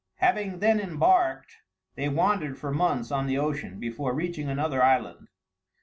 Having then embarked, they wandered for months on the ocean, before reaching another island.